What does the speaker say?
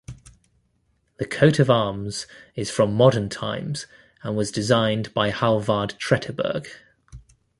The coat-of-arms is from modern times and was designed by Hallvard Tretteberg.